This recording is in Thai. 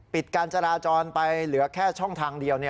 การจราจรไปเหลือแค่ช่องทางเดียว